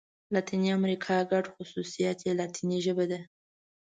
لاتیني امريکا ګډ خوصوصیات یې لاتيني ژبه ده.